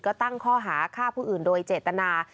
ก็ตั้งข้อหาฆ่าผู้อื่นโดยเจตนา